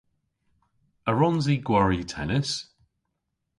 A wrons i gwari tennis?